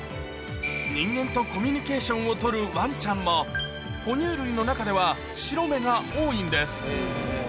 人間とコミュニケーションを取るわんちゃんも、哺乳類の中では白目が多いんです。